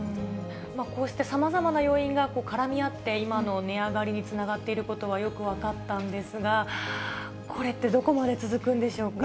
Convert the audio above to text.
こうしてさまざまな要因が絡み合って、今の値上がりにつながっていることはよく分かったんですが、これってどこまで続くんでしょうか。